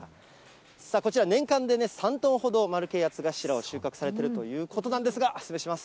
こちら、年間で３トンほど、丸系八つ頭を収穫されているということなんですが、失礼します。